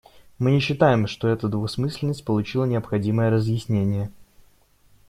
Мы не считаем, что эта двусмысленность получила необходимое разъяснение.